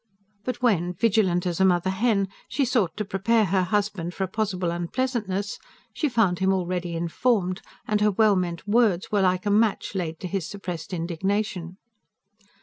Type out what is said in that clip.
But when, vigilant as a mother hen, she sought to prepare her husband for a possible unpleasantness, she found him already informed; and her well meant words were like a match laid to his suppressed indignation.